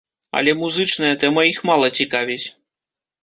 Але музычная тэма іх мала цікавіць.